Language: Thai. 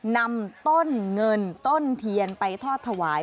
นำต้นเงินต้นเทียนไปทอดถวาย